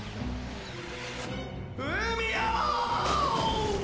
海よ！